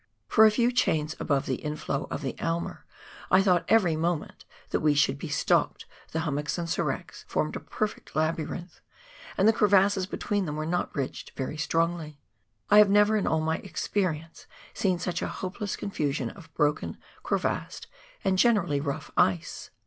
Por a few chains above the inflow of the Aimer, I thought every moment that we should be stopped, the hum mocks and seracs formed a perfect labyrinth, and the crevasses between them were not bridged very strongly. I have never in all my experience seen such a hopeless confusion of broken, crevassed, and generally rough ice.